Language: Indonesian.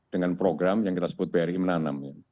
dan program yang kita sebut bri menanam